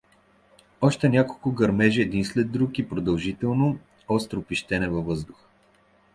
Още няколко гърмежи един след друг и продължително, остро пищение във въздуха.